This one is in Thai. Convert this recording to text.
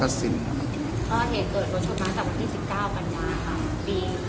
ก็เกิดเกิดโรชนน้ำอาสักวันที่๑๙ปัญญาค่ะปี๕๗